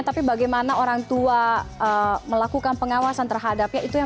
tapi bagaimana orang tua melakukan pengawasan terhadapnya